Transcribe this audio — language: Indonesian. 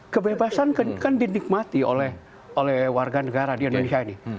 kebebasan kan dinikmati oleh warga negara di indonesia ini